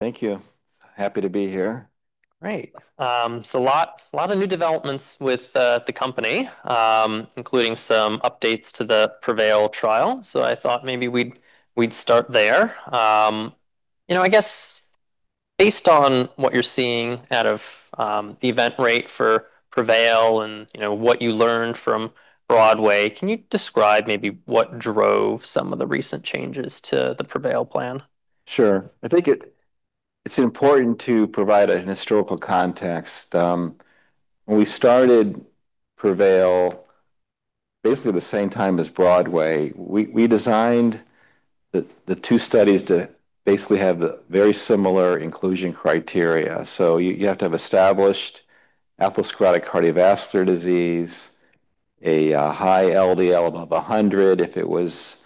Thank you. Happy to be here. Great. A lot of new developments with the company, including some updates to the PREVAIL trial. I thought maybe we'd start there. I guess based on what you're seeing out of the event rate for PREVAIL and what you learned from BROADWAY, can you describe maybe what drove some of the recent changes to the PREVAIL plan? Sure. I think it's important to provide a historical context. When we started PREVAIL, basically the same time as BROADWAY, we designed the two studies to basically have very similar inclusion criteria. You have to have established atherosclerotic cardiovascular disease, a high LDL above 100. If it was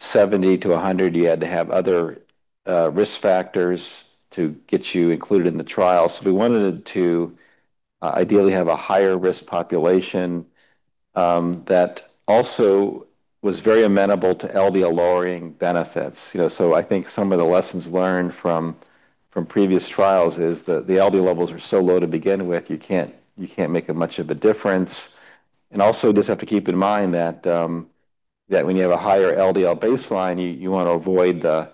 70-100, you had to have other risk factors to get you included in the trial. We wanted to ideally have a higher-risk population that also was very amenable to LDL-lowering benefits. I think some of the lessons learned from previous trials is that the LDL levels are so low to begin with, you can't make much of a difference. Also, you just have to keep in mind that when you have a higher LDL baseline, you want to avoid the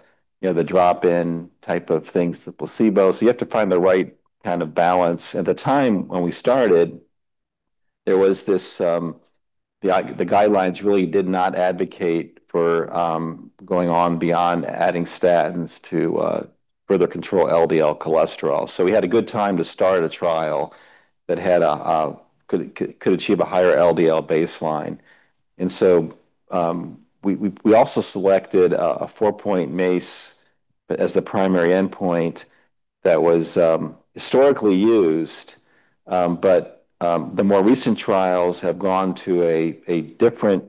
drop-in type of things, the placebo. You have to find the right kind of balance. At the time when we started, the guidelines really did not advocate for going on beyond adding statins to further control LDL cholesterol. We had a good time to start a trial that could achieve a higher LDL baseline. We also selected a four-point MACE as the primary endpoint that was historically used. The more recent trials have gone to a different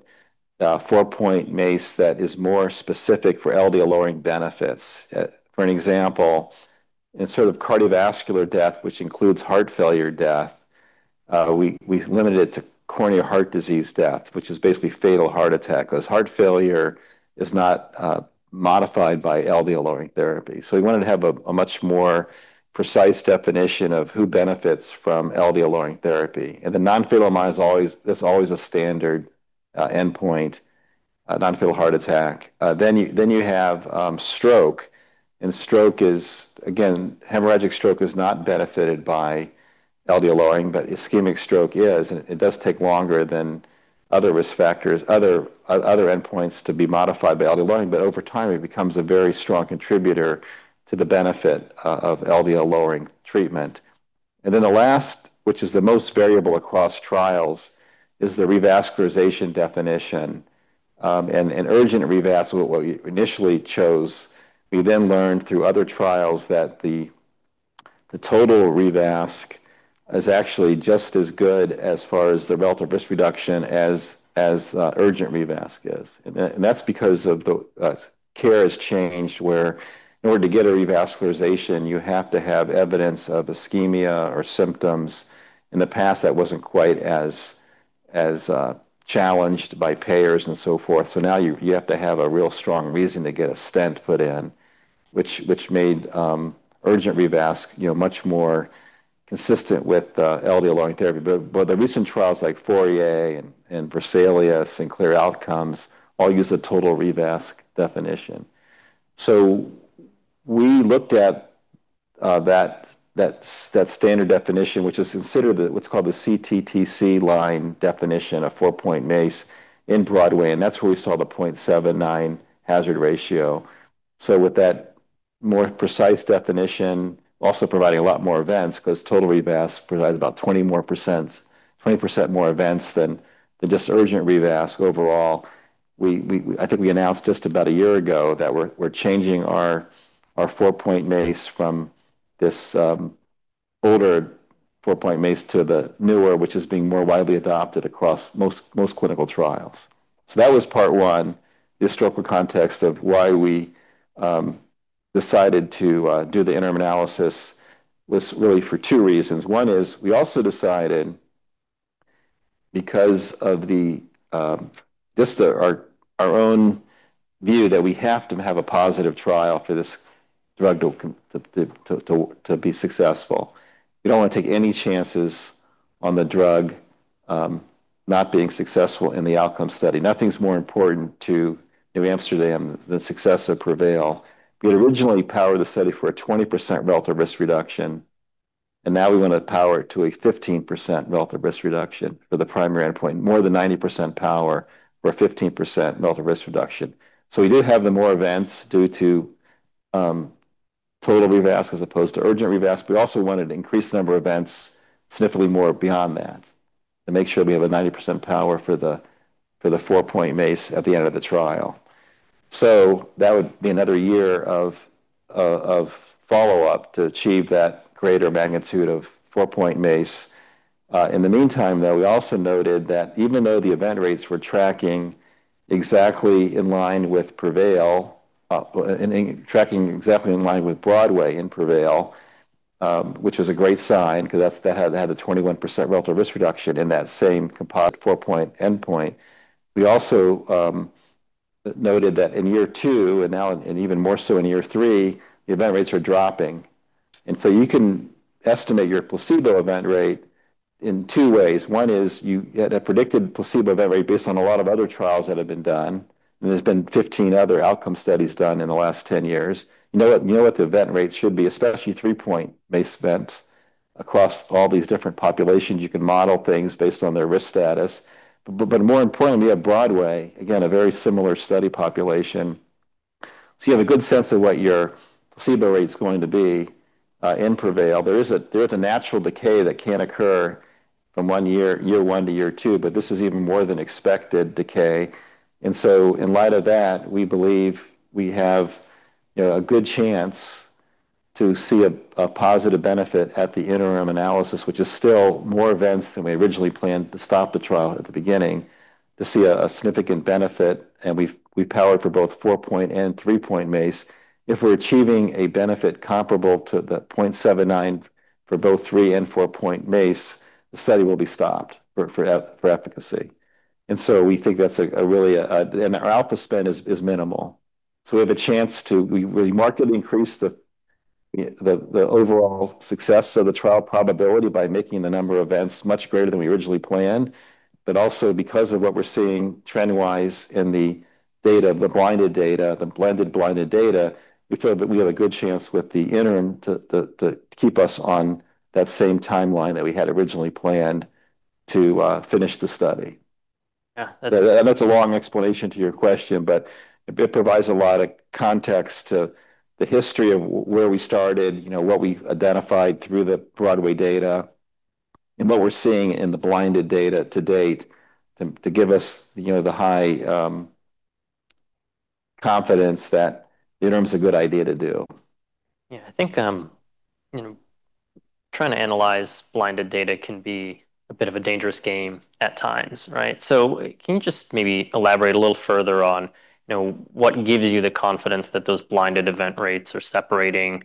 four-point MACE that is more specific for LDL-lowering benefits. For example, in sort of cardiovascular death, which includes heart failure death, we limited it to coronary heart disease death, which is basically fatal heart attack, because heart failure is not modified by LDL-lowering therapy. We wanted to have a much more precise definition of who benefits from LDL-lowering therapy. The non-fatal MI, that's always a standard endpoint, non-fatal heart attack. You have stroke, and stroke is, again, hemorrhagic stroke is not benefited by LDL lowering, but ischemic stroke is, and it does take longer than other risk factors, other endpoints to be modified by LDL lowering, but over time, it becomes a very strong contributor to the benefit of LDL-lowering treatment. The last, which is the most variable across trials, is the revascularization definition. An urgent revasc is what we initially chose. We then learned through other trials that the total revasc is actually just as good as far as the relative risk reduction as the urgent revasc is. That's because care has changed where in order to get a revascularization, you have to have evidence of ischemia or symptoms. In the past, that wasn't quite as challenged by payers and so forth. Now you have to have a real strong reason to get a stent put in, which made urgent revasc much more consistent with LDL-lowering therapy. The recent trials like FOURIER and VESALIUS-CV and CLEAR Outcomes all use the total revasc definition. We looked at that standard definition, which is considered what's called the CTT Collaboration line definition, a 4-point MACE in BROADWAY, and that's where we saw the 0.79 hazard ratio. With that more precise definition, also providing a lot more events, because total revasc provides about 20% more events than just urgent revasc overall. I think we announced just about a year ago that we're changing our 4-point MACE from this older 4-point MACE to the newer, which is being more widely adopted across most clinical trials. That was part one, the historical context of why we decided to do the interim analysis was really for two reasons. One is we also decided because of just our own view that we have to have a positive trial for this drug to be successful. We don't want to take any chances on the drug not being successful in the outcome study. Nothing's more important to NewAmsterdam than success of PREVAIL. We had originally powered the study for a 20% relative risk reduction, and now we want to power it to a 15% relative risk reduction for the primary endpoint, more than 90% power for a 15% relative risk reduction. We did have the more events due to total revasc as opposed to urgent revasc, but we also wanted to increase the number of events significantly more beyond that to make sure we have a 90% power for the 4-point MACE at the end of the trial. That would be another year of follow-up to achieve that greater magnitude of 4-point MACE. In the meantime, though, we also noted that even though the event rates were tracking exactly in line with BROADWAY in PREVAIL, which was a great sign because that had a 21% relative risk reduction in that same composite 4-point endpoint. We also noted that in year two, and now even more so in year three, the event rates are dropping. You can estimate your placebo event rate in two ways. One is you get a predicted placebo event rate based on a lot of other trials that have been done, and there's been 15 other outcome studies done in the last 10 years. You know what the event rates should be, especially three-point MACE events across all these different populations. You can model things based on their risk status. More importantly, we have BROADWAY, again, a very similar study population. You have a good sense of what your placebo rate's going to be in PREVAIL. There is a natural decay that can occur from year one to year two, but this is even more than expected decay. In light of that, we believe we have a good chance to see a positive benefit at the interim analysis, which is still more events than we originally planned to stop the trial at the beginning, to see a significant benefit, and we've powered for both 4-point and 3-point MACE. If we're achieving a benefit comparable to the 0.79 for both 3 and 4-point MACE, the study will be stopped for efficacy. Our alpha spend is minimal. We markedly increased the overall success of the trial probability by making the number of events much greater than we originally planned, but also because of what we're seeing trend-wise in the data, the blinded data, the blended blinded data, we feel that we have a good chance with the interim to keep us on that same timeline that we had originally planned to finish the study. Yeah. That's a long explanation to your question, but it provides a lot of context to the history of where we started, what we've identified through the BROADWAY data, and what we're seeing in the blinded data to date to give us the high confidence that interim is a good idea to do. Yeah. I think trying to analyze blinded data can be a bit of a dangerous game at times, right? Can you just maybe elaborate a little further on what gives you the confidence that those blinded event rates are separating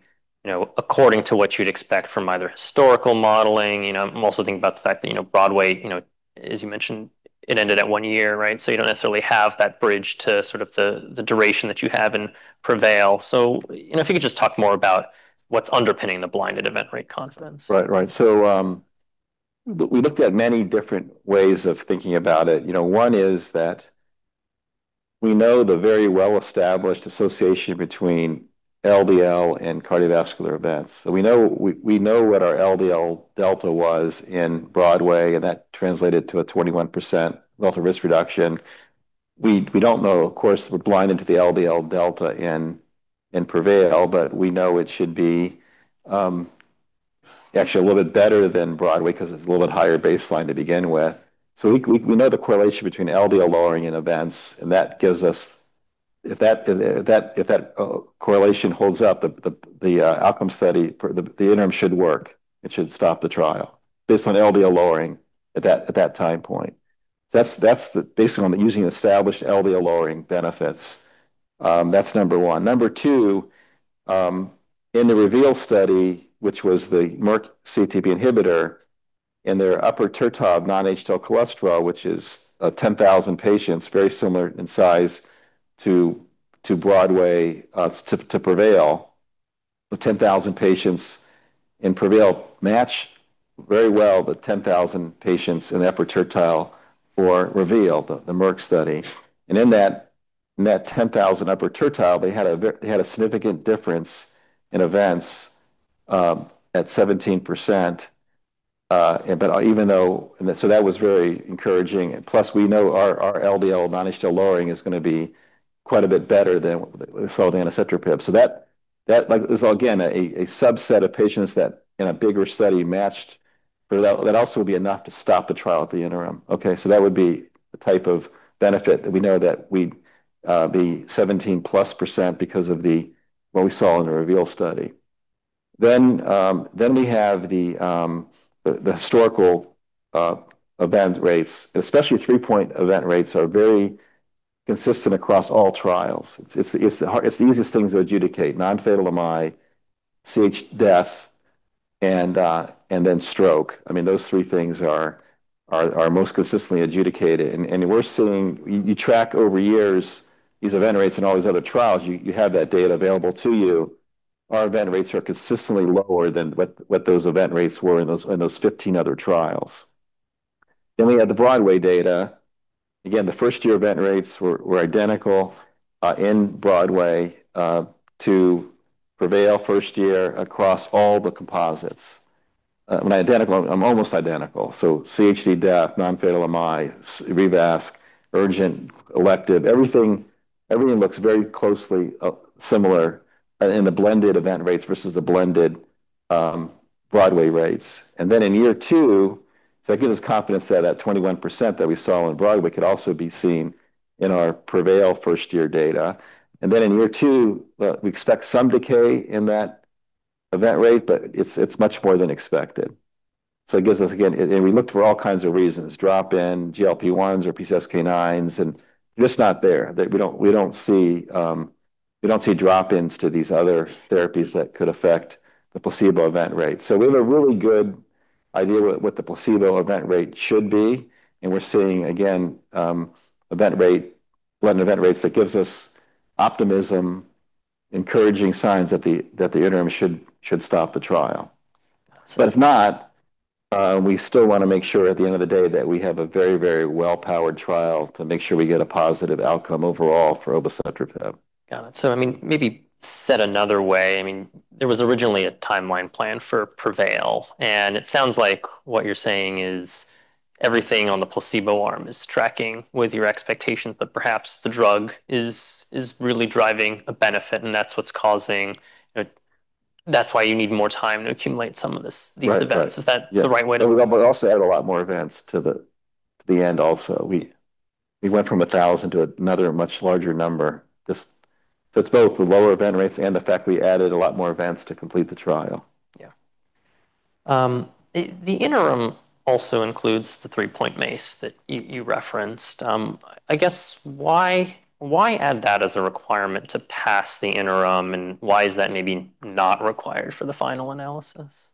according to what you'd expect from either historical modeling? I'm also thinking about the fact that BROADWAY, as you mentioned, it ended at one year, right? You don't necessarily have that bridge to sort of the duration that you have in PREVAIL. If you could just talk more about what's underpinning the blinded event rate confidence. Right. We looked at many different ways of thinking about it. 1 is that we know the very well-established association between LDL and cardiovascular events. We know what our LDL delta was in BROADWAY, and that translated to a 21% relative risk reduction. We don't know, of course, we're blinded to the LDL delta in PREVAIL, but we know it should be actually a little bit better than BROADWAY because it's a little bit higher baseline to begin with. We know the correlation between LDL lowering and events, and if that correlation holds up, the outcome study, the interim should work. It should stop the trial based on LDL lowering at that time point. That's based on using established LDL lowering benefits. That's number 1. Number 2, in the REVEAL study, which was the Merck CETP inhibitor in their upper tertile of non-HDL cholesterol, which is 10,000 patients, very similar in size to BROADWAY, to PREVAIL. The 10,000 patients in PREVAIL match very well the 10,000 patients in the upper tertile for REVEAL, the Merck study. In that 10,000 upper tertile, they had a significant difference in events at 17%. That was very encouraging. Plus, we know our LDL non-HDL lowering is going to be quite a bit better than what we saw with anacetrapib. That was, again, a subset of patients that in a bigger study matched, but that also would be enough to stop the trial at the interim. Okay, that would be the type of benefit that we know that we'd be 17+% because of what we saw in the REVEAL study. We have the historical event rates, especially 3-point event rates are very consistent across all trials. It's the easiest things to adjudicate, non-fatal MI, CHD death, and then stroke. Those 3 things are most consistently adjudicated, and we're seeing, you track over years these event rates in all these other trials, you have that data available to you. Our event rates are consistently lower than what those event rates were in those 15 other trials. We have the BROADWAY data. Again, the first year event rates were identical in BROADWAY to PREVAIL 1st year across all the composites. When identical, almost identical. CHD death, non-fatal MIs, revasc, urgent, elective, everything looks very closely similar in the blended event rates versus the blended BROADWAY rates. In year two, that gives us confidence that that 21% that we saw in BROADWAY could also be seen in our PREVAIL first-year data. In year two, we expect some decay in that event rate, but it's much more than expected. We looked for all kinds of reasons, drop-in, GLP-1s, or PCSK9s, and they're just not there. We don't see drop-ins to these other therapies that could affect the placebo event rate. We have a really good idea what the placebo event rate should be, and we're seeing, again, low event rates that gives us optimism, encouraging signs that the interim should stop the trial. Got it. If not, we still want to make sure at the end of the day that we have a very well-powered trial to make sure we get a positive outcome overall for obicetrapib. Got it. Maybe said another way, there was originally a timeline plan for PREVAIL, and it sounds like what you're saying is everything on the placebo arm is tracking with your expectations, but perhaps the drug is really driving a benefit, and that's why you need more time to accumulate some of these events. Right. Is that the right way to look at it? Also add a lot more events to the end also. We went from 1,000 to another much larger number. It's both the lower event rates and the fact we added a lot more events to complete the trial. Yeah. The interim also includes the 3-point MACE that you referenced. I guess why add that as a requirement to pass the interim, and why is that maybe not required for the final analysis?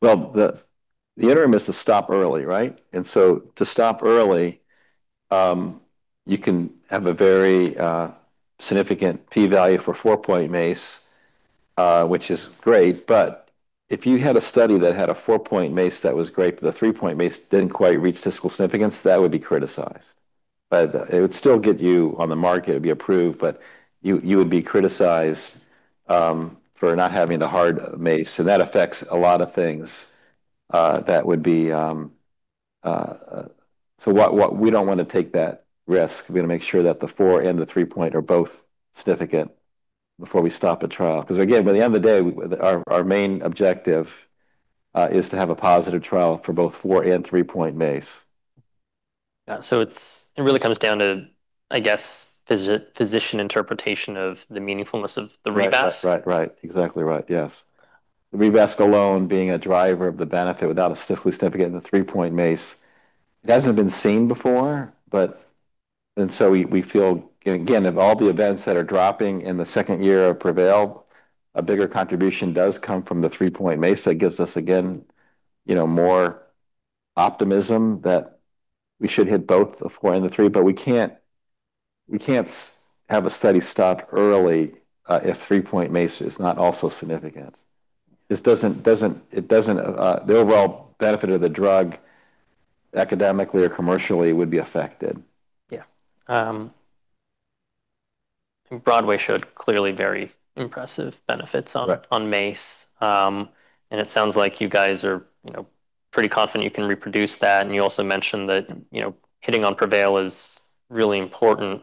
Well, the interim is to stop early, right? To stop early, you can have a very significant P value for 4-point MACE, which is great, but if you had a study that had a 4-point MACE that was great, but the 3-point MACE didn't quite reach statistical significance, that would be criticized. It would still get you on the market. It would be approved, but you would be criticized for not having the hard MACE, and that affects a lot of things. We don't want to take that risk. We're going to make sure that the 4 and the 3-point are both significant before we stop a trial. Again, by the end of the day, our main objective is to have a positive trial for both 4- and 3-point MACE. Yeah. It really comes down to, I guess, physician interpretation of the meaningfulness of the revas. Right. Exactly right, yes. The revas alone being a driver of the benefit without a statistically significant 3-point MACE, it hasn't been seen before. We feel, again, of all the events that are dropping in the second year of PREVAIL, a bigger contribution does come from the 3-point MACE. That gives us, again, more optimism that we should hit both the 4 and the 3. We can't have a study stopped early, if 3-point MACE is not also significant. The overall benefit of the drug academically or commercially would be affected. Yeah. BROADWAY showed clearly very impressive benefits- Right -on MACE. It sounds like you guys are pretty confident you can reproduce that, and you also mentioned that hitting on PREVAIL is really important.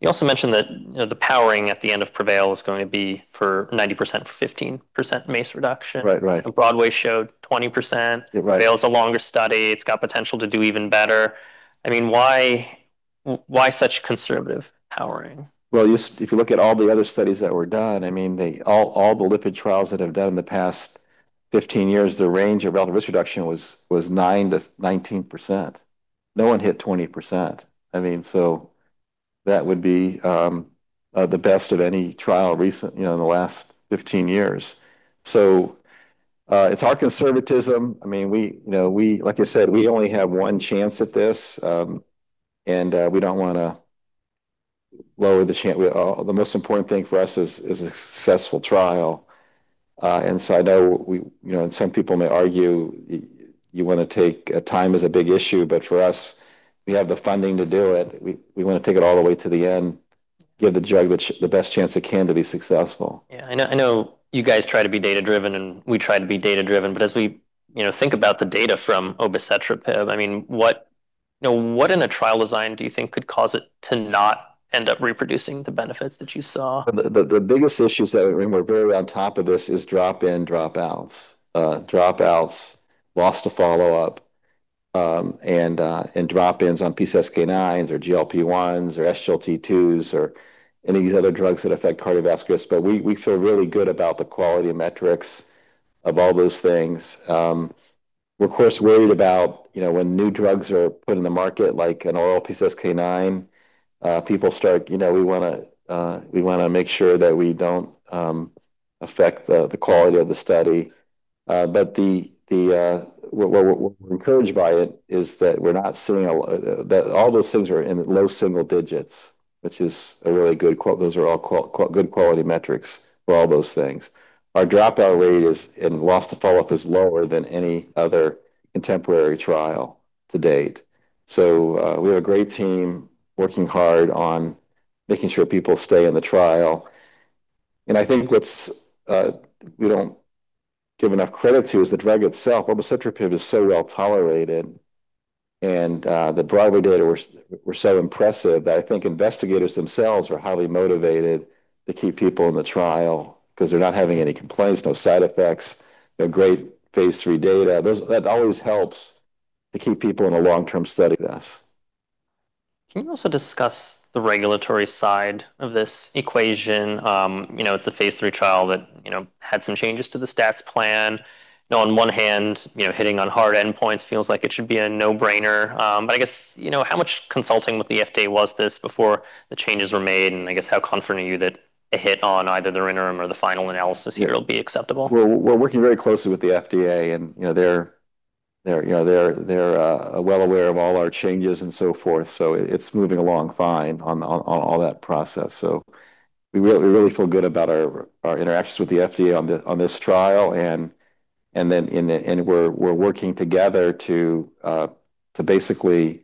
You also mentioned that the powering at the end of PREVAIL is going to be for 90% for 15% MACE reduction. Right. BROADWAY showed 20%. Right. PREVAIL's a longer study. It's got potential to do even better. Why such conservative powering? Well, if you look at all the other studies that were done, all the lipid trials that have done in the past 15 years, the range of relative risk reduction was 9%-19%. No one hit 20%. That would be the best of any trial recent, in the last 15 years. It's our conservatism. Like I said, we only have one chance at this, and we don't want to lower the chance. The most important thing for us is a successful trial. I know some people may argue time is a big issue, but for us, we have the funding to do it. We want to take it all the way to the end, give the drug the best chance it can to be successful. Yeah. I know you guys try to be data-driven, and we try to be data-driven, but as we think about the data from obicetrapib, what in the trial design do you think could cause it to not end up reproducing the benefits that you saw? The biggest issues that, and we're very on top of this, is drop-in, dropouts. Dropouts, loss to follow-up, and drop-ins on PCSK9s or GLP-1s or SGLT2s or any of these other drugs that affect cardiovascular. We feel really good about the quality of metrics of all those things. We're of course worried about when new drugs are put in the market, like an oral PCSK9, we want to make sure that we don't affect the quality of the study. What we're encouraged by it is that all those things are in low single digits, which is a really good point. Those are all good quality metrics for all those things. Our dropout rate and loss to follow-up is lower than any other contemporary trial to date. We have a great team working hard on making sure people stay in the trial. I think what we don't give enough credit to is the drug itself. Obicetrapib is so well-tolerated, and the BROADWAY data were so impressive that I think investigators themselves were highly motivated to keep people in the trial because they're not having any complaints, no side effects, no great Phase III data. That always helps to keep people in a long-term study with us. Can you also discuss the regulatory side of this equation? It's a Phase III trial that had some changes to the stats plan. On one hand, hitting on hard endpoints feels like it should be a no-brainer. I guess, how much consulting with the FDA was this before the changes were made, and I guess how confident are you that a hit on either the interim or the final analysis here will be acceptable? We're working very closely with the FDA. They're well aware of all our changes and so forth. It's moving along fine on all that process. We really feel good about our interactions with the FDA on this trial. We're working together to basically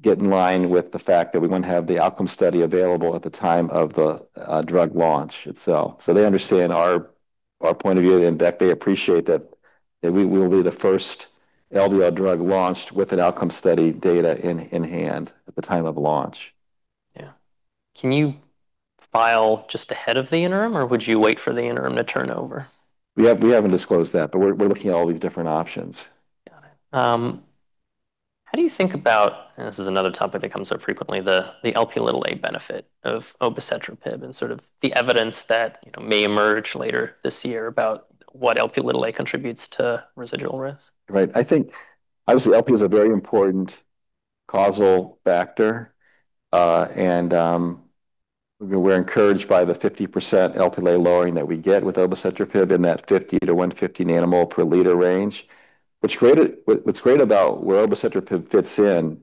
get in line with the fact that we want to have the outcome study available at the time of the drug launch itself. In fact, they appreciate that we will be the first LDL drug launched with an outcome study data in hand at the time of launch. Yeah. Can you file just ahead of the interim, or would you wait for the interim to turn over? We haven't disclosed that, but we're looking at all these different options. Got it. How do you think about, this is another topic that comes up frequently, the Lp benefit of obicetrapib and sort of the evidence that may emerge later this year about what Lp contributes to residual risk? Right. I think, obviously, Lp is a very important causal factor. We're encouraged by the 50% Lp lowering that we get with obicetrapib in that 50-150 nanomole per liter range. What's great about where obicetrapib fits in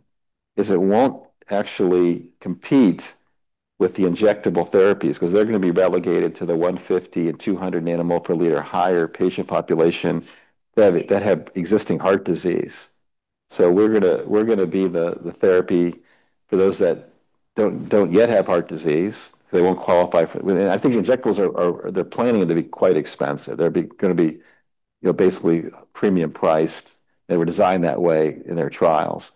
is it won't actually compete with the injectable therapies because they're going to be relegated to the 150-200 nanomole per liter higher patient population that have existing heart disease. We're going to be the therapy for those that don't yet have heart disease. They won't qualify for. I think the injectables, they're planning them to be quite expensive. They're going to be basically premium-priced. They were designed that way in their trials.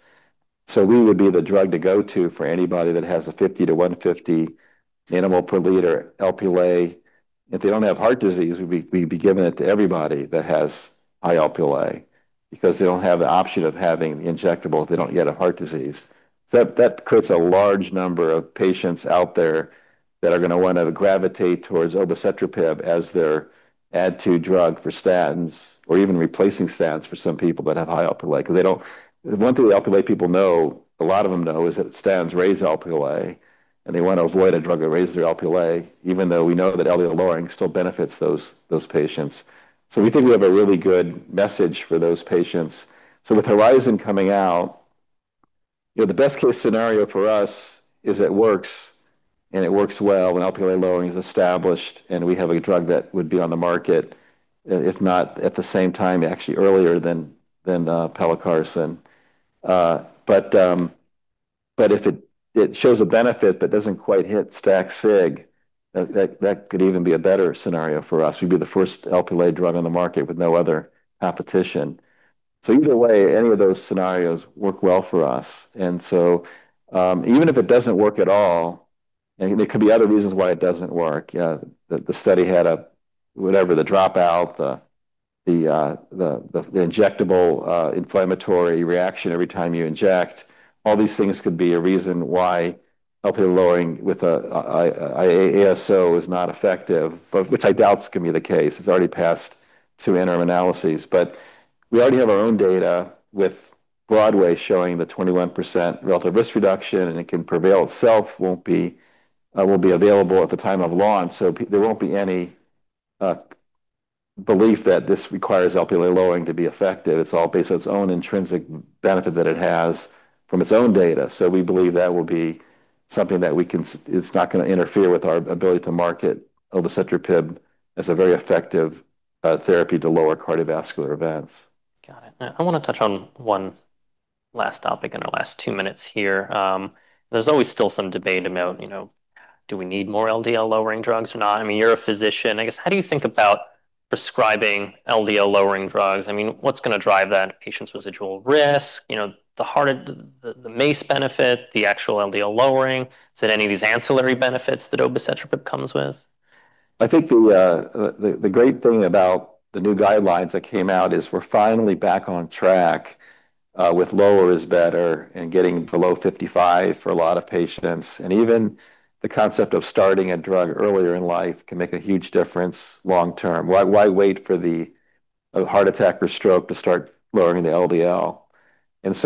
We would be the drug to go to for anybody that has a 50-150 nanomole per liter Lp(a). If they don't have heart disease, we'd be giving it to everybody that has high Lp(a) because they don't have the option of having the injectable if they don't get heart disease. That creates a large number of patients out there that are going to want to gravitate towards obicetrapib as their add-to drug for statins, or even replacing statins for some people that have high Lp. One thing the Lp people know, a lot of them know, is that statins raise Lp, and they want to avoid a drug that raises their Lp, even though we know that LDL lowering still benefits those patients. We think we have a really good message for those patients. With HORIZON coming out, the best-case scenario for us is it works, and it works well, and Lp lowering is established, and we have a drug that would be on the market, if not at the same time, actually earlier than pelacarsen. If it shows a benefit but doesn't quite hit stat sig, that could even be a better scenario for us. We'd be the first Lp drug on the market with no other competition. Either way, any of those scenarios work well for us. Even if it doesn't work at all, and there could be other reasons why it doesn't work. The study had whatever, the dropout, the injectable inflammatory reaction every time you inject. All these things could be a reason why Lp lowering with ASO is not effective, but which I doubt is going to be the case. It's already passed two interim analyses. We already have our own data with BROADWAY showing the 21% relative risk reduction, and PREVAIL itself, will be available at the time of launch. There won't be any belief that this requires Lp(a) lowering to be effective. It's all based on its own intrinsic benefit that it has from its own data. We believe that will be something that it's not going to interfere with our ability to market obicetrapib as a very effective therapy to lower cardiovascular events. Got it. I want to touch on one last topic in our last two minutes here. There's always still some debate about do we need more LDL-lowering drugs or not? I mean, you're a physician, I guess, how do you think about prescribing LDL-lowering drugs? What's going to drive that patient's residual risk? The MACE benefit, the actual LDL lowering? Is it any of these ancillary benefits that obicetrapib comes with? I think the great thing about the new guidelines that came out is we're finally back on track with lower is better and getting below 55 for a lot of patients. Even the concept of starting a drug earlier in life can make a huge difference long term. Why wait for the heart attack or stroke to start lowering the LDL?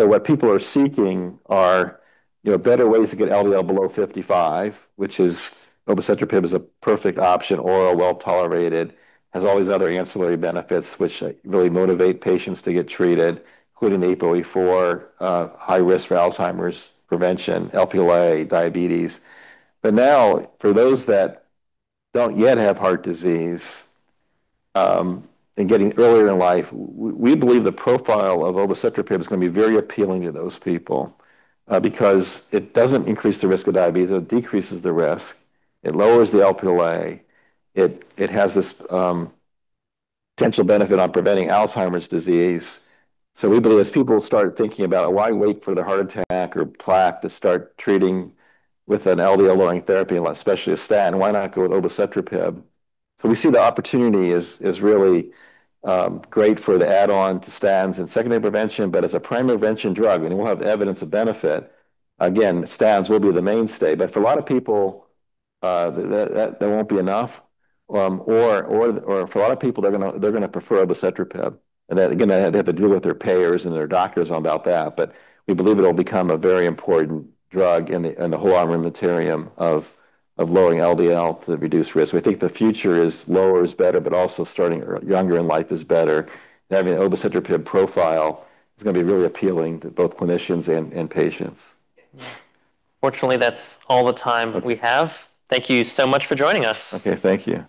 What people are seeking are better ways to get LDL below 55, which is obicetrapib is a perfect option. Oral, well-tolerated, has all these other ancillary benefits which really motivate patients to get treated, including APOE4, high risk for Alzheimer's prevention, Lp(a), diabetes. Now for those that don't yet have heart disease, and getting earlier in life, we believe the profile of obicetrapib is going to be very appealing to those people because it doesn't increase the risk of diabetes. It decreases the risk. It lowers the Lp(a). It has this potential benefit on preventing Alzheimer's disease. We believe as people start thinking about why wait for the heart attack or plaque to start treating with an LDL-lowering therapy, especially a statin, why not go with obicetrapib? We see the opportunity is really great for the add-on to statins and secondary prevention, as a primary prevention drug, we'll have evidence of benefit, again, statins will be the mainstay. For a lot of people, that won't be enough, or for a lot of people, they're going to prefer obicetrapib. Again, they have to deal with their payers and their doctors about that. We believe it'll become a very important drug in the whole armamentarium of lowering LDL to reduce risk. We think the future is lower is better, but also starting younger in life is better. Having an obicetrapib profile is going to be really appealing to both clinicians and patients. Fortunately, that's all the time we have. Thank you so much for joining us. Okay. Thank you.